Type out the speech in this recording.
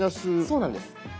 そうなんです。